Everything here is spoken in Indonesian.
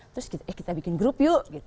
terus eh kita bikin grup yuk